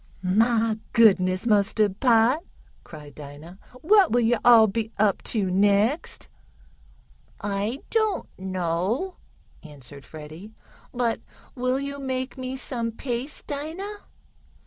"Mah goodness mustard pot!" cried Dinah. "What will yo' all be up to next?" "I don't know," answered Freddie. "But will you make me some paste, Dinah?